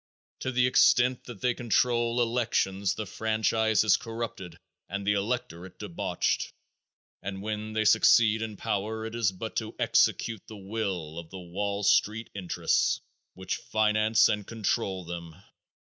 To the extent that they control elections the franchise is corrupted and the electorate debauched, and when they succeed in power it is but to execute the will of the Wall Street interests which finance and control them.